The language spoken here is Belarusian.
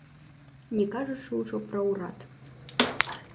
Не кажучы ўжо пра ўрад.